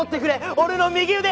俺の右腕！